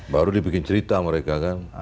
baru dibikin cerita mereka